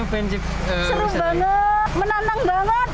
seru banget menantang banget